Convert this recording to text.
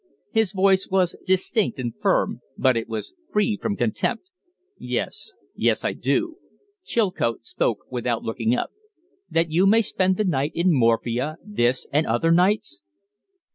His voice was distinct and firm, but it was free from contempt. "Yes; yes, I do." Chilcote spoke without looking up. "That you may spend the night in morphia this and other nights?"